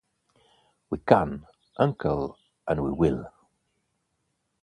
We can, uncle, and we will!